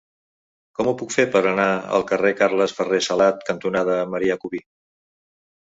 Com ho puc fer per anar al carrer Carles Ferrer Salat cantonada Marià Cubí?